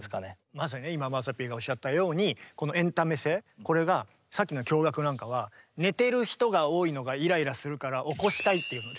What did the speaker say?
まさに今まさピーがおっしゃったようにこのエンタメ性これが寝てる人が多いのがイライラするから起こしたいっていうので。